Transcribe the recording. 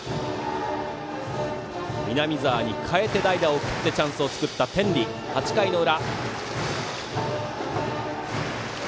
南澤に代えて代打を送ってチャンスを作った天理、８回の裏。